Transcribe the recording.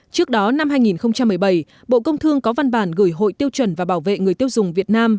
trước đó năm hai nghìn một mươi bảy bộ công thương có văn bản gửi hội tiêu chuẩn và bảo vệ người tiêu dùng việt nam